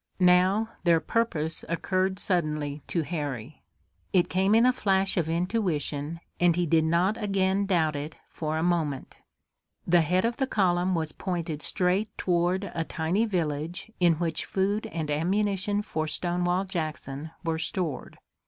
Now their purpose occurred suddenly to Harry. It came in a flash of intuition, and he did not again doubt it for a moment. The head of the column was pointed straight toward a tiny village in which food and ammunition for Stonewall Jackson were stored.